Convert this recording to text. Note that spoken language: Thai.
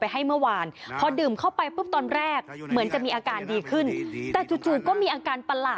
หื้อเป็นใครอ่ะ